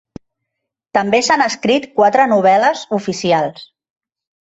També s'han escrit quatre novel·les oficials.